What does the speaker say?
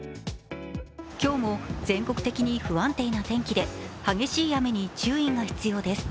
今日も全国的に不安定な天気で激しい雨に注意が必要です。